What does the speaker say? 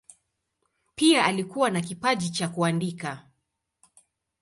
Pia alikuwa na kipaji cha kuandika.